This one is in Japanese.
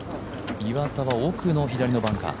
岩田は奥の左のバンカー。